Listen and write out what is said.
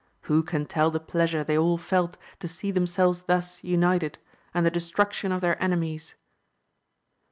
Who can tell the pleasure they all felt to see themselves thus united, and the destruction of their enemies